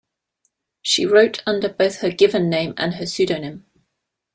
She wrote under both her given name and her pseudonym.